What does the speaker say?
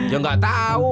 ya nggak tahu